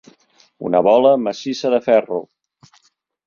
Una bola massissa de ferro.